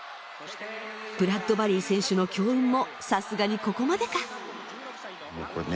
ブラッドバリー選手の強運もさすがにここまでか？